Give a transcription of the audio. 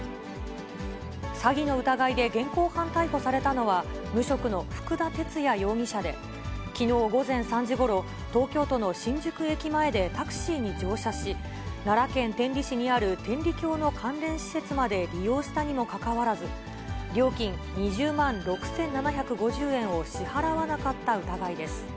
詐欺の疑いで現行犯逮捕されたのは、無職の福田哲也容疑者で、きのう午前３時ごろ、東京都の新宿駅前でタクシーに乗車し、奈良県天理市にある天理教の関連施設まで利用したにもかかわらず、料金２０万円６７５０円を支払わなかった疑いです。